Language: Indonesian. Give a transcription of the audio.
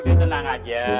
udah tenang aja